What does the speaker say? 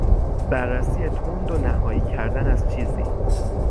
بررسی تند و نهایی کردن از چیزی